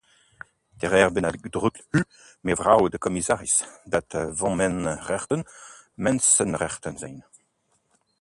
Terecht benadrukt u, mevrouw de commissaris, dat vrouwenrechten mensenrechten zijn.